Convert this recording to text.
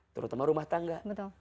terutama rumah tangga